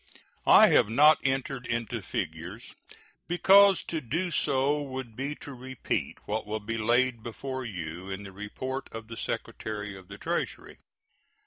I have not entered into figures, because to do so would be to repeat what will be laid before you in the report of the Secretary of the Treasury.